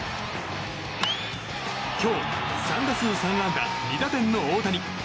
今日３打数３安打２打点の大谷。